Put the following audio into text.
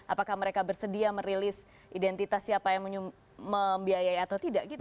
apakah mereka bersedia merilis identitas siapa yang membiayai atau tidak gitu